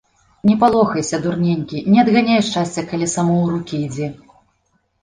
Не палохайся, дурненькі, не адганяй шчасця, калі само ў рукі ідзе.